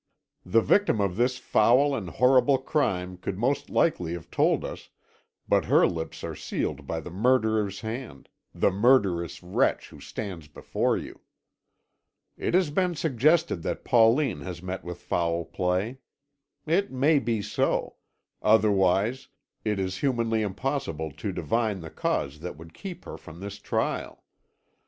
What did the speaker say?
The victim of this foul and horrible crime could most likely have told us, but her lips are sealed by the murderer's hand, the murderous wretch who stands before you. "It has been suggested that Pauline has met with foul play. It may be so; otherwise, it is humanly impossible to divine the cause that could keep her from this trial.